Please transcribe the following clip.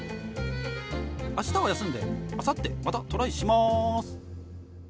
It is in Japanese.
あしたは休んで、あさってまたトライしまーす。